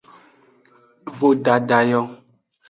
Vodada yo.